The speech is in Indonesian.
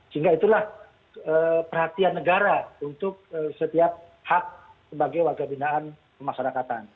sehingga itulah perhatian negara untuk setiap hak sebagai warga binaan pemasarakatan